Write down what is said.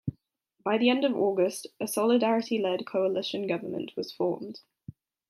By the end of August, a Solidarity-led coalition government was formed.